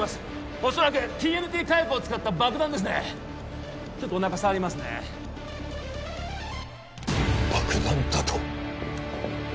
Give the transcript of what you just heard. おそらくＴＮＴ火薬を使った爆弾ですねちょっとおなか触りますね爆弾だと！？